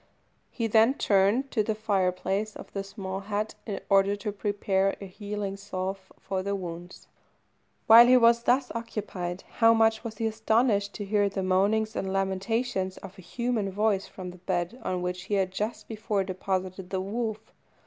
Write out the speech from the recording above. He then turned to the fire place of the small hut, in order to prepare a healing salve for the wounds. While he was thus occupied, how much was he astonished to hear the moanings and lamentations of a human voice from the bed on which he had just before deposited the wolf.